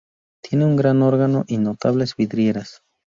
Tiene un gran órgano y notables vidrieras.